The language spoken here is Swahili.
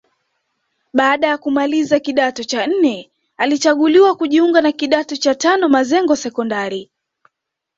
Baada ya kumaliza kidato cha nne alichaguliwa kujiunga na kidato cha tano Mazengo Sekondari